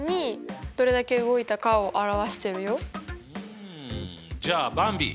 うんじゃあばんび。